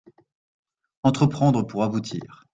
Entreprendre pour aboutir